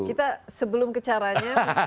kita sebelum ke caranya